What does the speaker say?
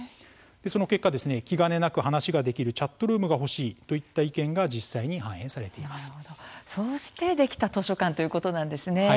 その結果、気兼ねなく話ができるチャットルームが欲しいといったそうしてできた図書館ということなんですね。